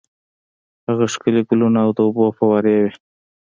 هلته ښکلي ګلونه او د اوبو فوارې وې.